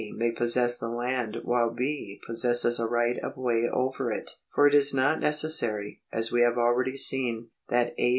may possess the land, while B. possesses a right of way over it. For it is not neces sary, as we have already seen, that A.'